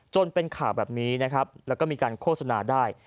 เป็นข่าวแบบนี้นะครับแล้วก็มีการโฆษณาได้